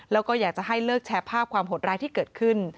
แล้วก็อยากจะให้เลิกแชร์ภาพความหดร้ายที่เกิดขึ้น